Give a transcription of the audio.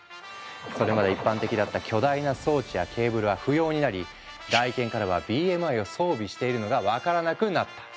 それまで一般的だった巨大な装置やケーブルは不要になり外見からはＢＭＩを装備しているのが分からなくなった。